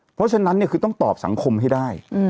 เพราะฉะนั้นคือต้องตอบสังคมให้ได้